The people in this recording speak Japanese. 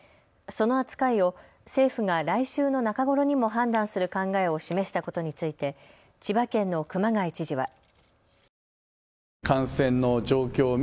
その扱いを政府が来週の中頃にも判断する考えを示したことについて千葉県の熊谷知事は。